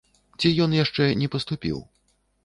Ці ён яшчэ не паступіў?